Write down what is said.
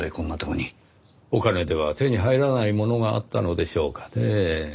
お金では手に入らないものがあったのでしょうかねぇ。